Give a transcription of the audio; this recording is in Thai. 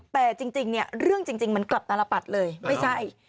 แต่จริงเนี่ยเรื่องจริงมันกลับตลปัดเลยไม่ใช่